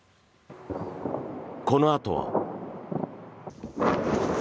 このあとは。